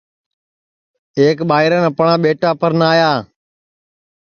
ایک ٻائران اپڻْا ٻیٹا پرڻْايا